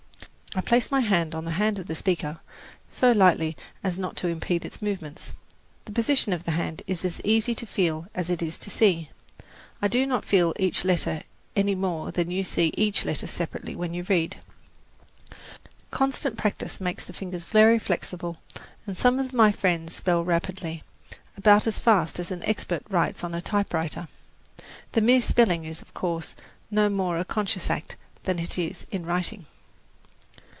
I place my hand on the hand of the speaker so lightly as not to impede its movements. The position of the hand is as easy to feel as it is to see. I do not feel each letter any more than you see each letter separately when you read. Constant practice makes the fingers very flexible, and some of my friends spell rapidly about as fast as an expert writes on a typewriter. The mere spelling is, of course, no more a conscious act than it is in writing.